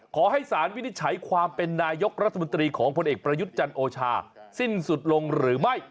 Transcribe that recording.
ขอให้สารวินิจฉัยความเป็นนายกรัฐมนตรีของพลเอกประยุทธ์จันโอชาสิ้นสุดลงหรือไม่